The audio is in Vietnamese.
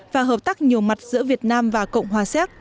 và hợp tác nhiều mặt giữa việt nam và cộng hòa xéc